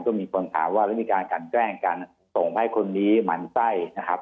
ก็มีคนถามว่าแล้วมีการกันแกล้งกันส่งให้คนนี้หมั่นไส้นะครับ